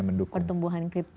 yang mendukungnya perumbahan crypto